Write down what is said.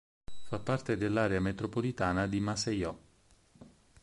Fa parte dell'area metropolitana di Maceió.